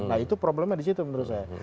nah itu problemnya di situ menurut saya